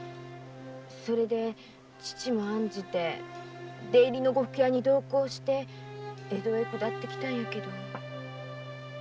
それで父も案じて出入りの呉服屋に同行して江戸へ下って来たんやけど。